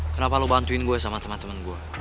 kenapa lu bantuin gua sama temen temen gua